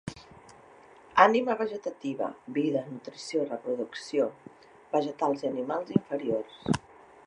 Ànima vegetativa: vida, nutrició, reproducció; vegetals i animals inferiors.